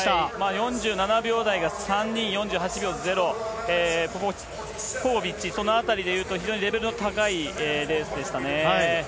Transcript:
４７秒台が３人、４８秒０、ポポビッチ、そのあたりでいくと非常にレベルの高いレースでしたね。